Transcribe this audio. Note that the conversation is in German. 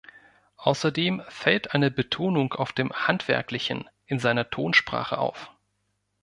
Außerdem fällt eine Betonung auf dem „Handwerklichen“ in seiner Tonsprache auf.